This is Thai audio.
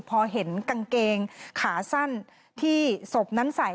พอเห็นกางเกงขาสั้นที่ศพนั้นใส่